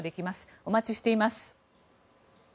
お待ちしています。